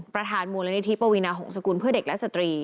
ประธานมูลนิธิปวีนาหงษกุลเพื่อเด็กและสตรี